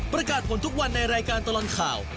ประกาศผลทุกวันในรายการตลอดข่าว